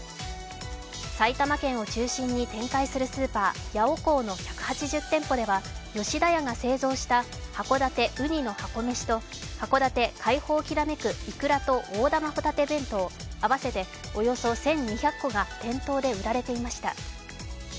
埼玉県を中心に展開するスーパーヤオコーの１８０店舗では吉田屋が製造した函館うにの箱めしと函館海宝煌めくイクラと大玉ほたて弁当、合わせておよそ１２００個が店頭で売られていました。